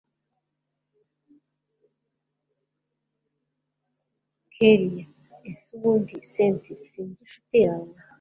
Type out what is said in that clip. kellia ese ubundi cynti sinzi inshuti yawe